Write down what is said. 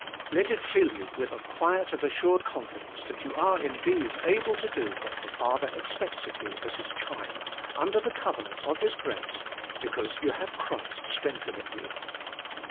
Let it fill you with a quiet and assured confidence that you are indeed able to do what the Father expects of you as His child, under the covenant of His grace, because you have Christ strengthening you.